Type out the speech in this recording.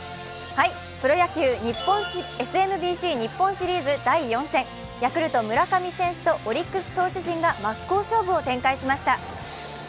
プロ野球ＳＭＢＣ日本シリーズ第４戦、ヤクルト・村上選手とオリックス投手陣が真っ向勝負を展開しました。